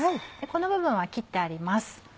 この部分は切ってあります。